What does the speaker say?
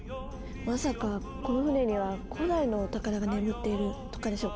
まさかこの船には古代のお宝が眠っているとかでしょうか？